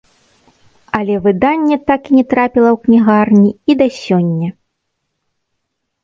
Але выданне так не трапіла ў кнігарні і да сёння.